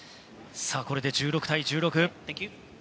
これで１６対１６。